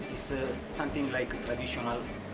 ini seperti makanan tradisional